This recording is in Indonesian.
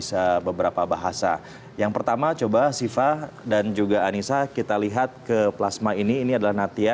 karena kita sudah ada beberapa bahasa yang pertama coba siva dan juga anissa kita lihat ke plasma ini ini adalah natia